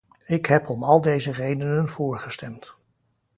Ik heb om al deze redenen voor gestemd.